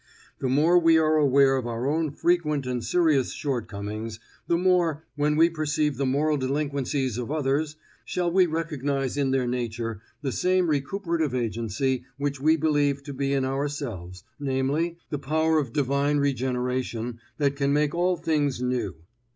The more we are aware of our own frequent and serious shortcomings, the more, when we perceive the moral delinquencies of others, shall we recognize in their nature the same recuperative agency which we believe to be in ourselves, namely, the power of divine regeneration that can make all things new.